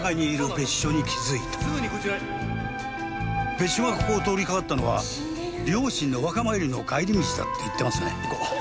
別所がここを通りかかったのは両親のお墓参りの帰り道だって言ってますね。